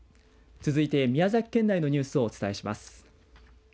続いて宮崎県内のニュースをお伝えします。